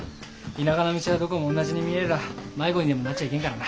田舎の道はどこも同じに見えるら迷子にでもなっちゃいけんからな。